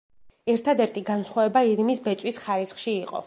ერთადერთი განსხვავება ირმის ბეწვის ხარისხში იყო.